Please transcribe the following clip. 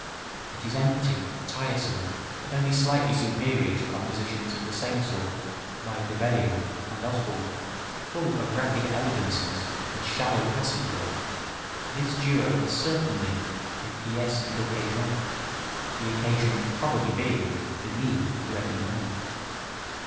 It is empty, tiresome and only slightly superior to compositions of the same sort by De Beriot and Osborne. Full of rapid elegancies and shallow passage work, this duo is certainly a piece d'occasion the occasion probably being the need of ready money.